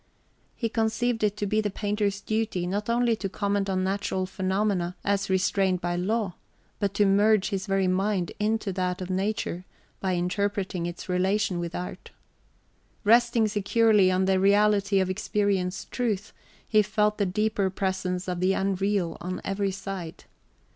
He conceived it to be the painter's duty not only to comment on natural phenomena as restrained by law, but to merge his very mind into that of nature by interpreting its relation with art. Resting securely on the reality of experienced truth, he felt the deeper presence of the unreal on every side.